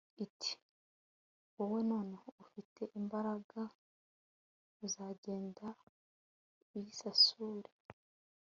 iti wowe noneho ufite imbaraga, uzagende uyisayure